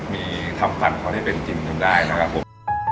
มีทำฟันเขาให้เป็นจริงจนได้นะครับ